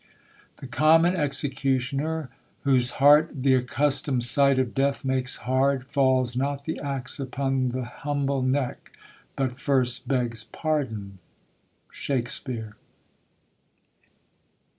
The Common Executioner, Whose heart th' accustom'd sight of death makes hard, Falls not the axe upon the humble neck But first begs pardon. SHAKSPEARE.